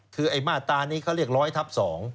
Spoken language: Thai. คือไอ้มาตรานี้เขาเรียก๑๐๐ทับ๒